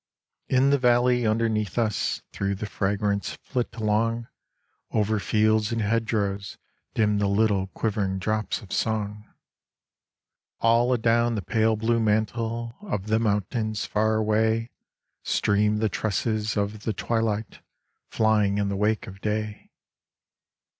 In the valley underneath us through the fragrance flit along Over fields and hedgerows dim the little quivering drops of song. All adown the pale blue mantle of the mountains far away Stream the tresses of the twilight flying in the wake of day.